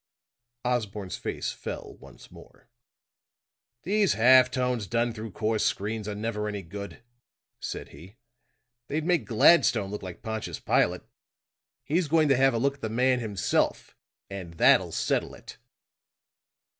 Osborne's face fell once more. "These half tones done through coarse screens are never any good," said he. "They'd make Gladstone look like Pontius Pilate. He's going to have a look at the man himself, and that'll settle it."